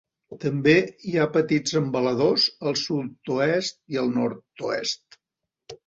També hi ha petits embaladors al sud-oest i al nord-oest.